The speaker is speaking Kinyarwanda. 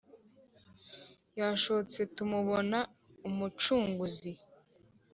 Yashotse tumubona umucunguzi